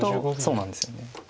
そうなんですよね。